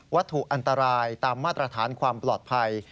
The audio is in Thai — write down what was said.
ถูกอันตรายตามมาตรฐานความปลอดภัย